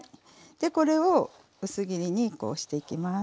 これを薄切りにこうしていきます。